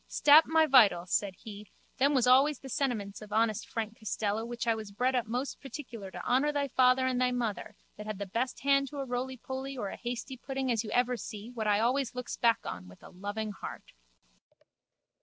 Stap my vitals, said he, them was always the sentiments of honest Frank Costello which I was bred up most particular to honour thy father and thy mother that had the best hand to a rolypoly or a hasty pudding as you ever see what I always looks back on with a loving heart.